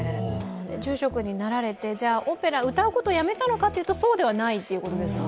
住職になられて、オペラ、歌うことをやめたのかというとそうではないっていうことですもんね。